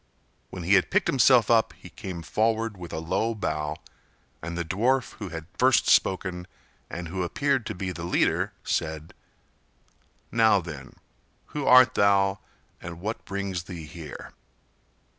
When he had picked himself up he came forward with a low bow, and the dwarf who had first spoken and who appeared to be the leader said: "Now, then, who art thou and what brings thee here?"